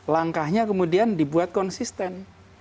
langkahnya kemudian dibuat konsisten